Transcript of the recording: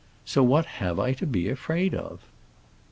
So what have I to be afraid of?"